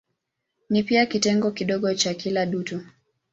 Ni pia kitengo kidogo cha kila dutu.